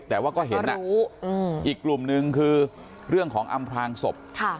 แต่ว่าก็เห็นอ่ารู้อืมอีกกลุ่มหนึ่งคือเรื่องของอำพลางศพค่ะ